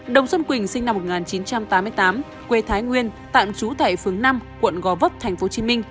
đồng xuân quỳnh sinh năm một nghìn chín trăm tám mươi tám quê thái nguyên tạng trú tại phướng năm quận co vấp tp hcm